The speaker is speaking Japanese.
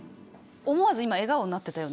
思わず今笑顔になってたよね。